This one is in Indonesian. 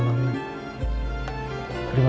saya akan mencoba untuk mencoba